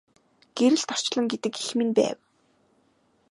Гэрэлт орчлон гэдэг эх минь байв.